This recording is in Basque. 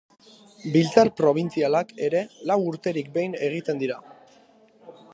Biltzar Probintzialak ere lau urterik behin egiten dira.